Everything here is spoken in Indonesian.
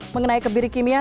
mengenai kebiri kimia